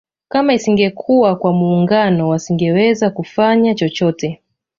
Kama isingekuwa kwa muungano wasingeweza kufanya chochote